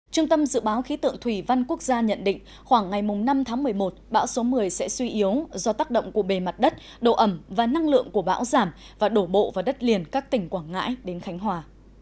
trung tâm dự báo khí tượng thủy văn quốc gia nhận định khoảng ngày năm tháng một mươi một bão số một mươi sẽ suy yếu do tác động của bề mặt đất độ ẩm và năng lượng của bão giảm và đổ bộ vào đất liền các tỉnh quảng ngãi đến khánh hòa